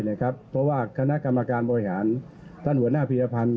เพราะว่าคณะกรรมการบริหารท่านหัวหน้าพิรพันธ์